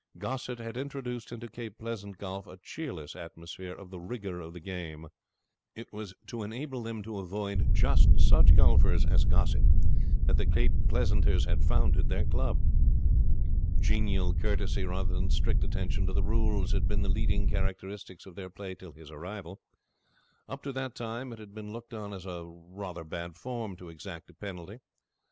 Gossett had introduced into Cape Pleasant golf a cheerless atmosphere of the rigour of the game. It was to enable them to avoid just such golfers as Gossett that the Cape Pleasanters had founded their club. Genial courtesy rather than strict attention to the rules had been the leading characteristics of their play till his arrival. Up to that time it had been looked on as rather bad form to exact a penalty.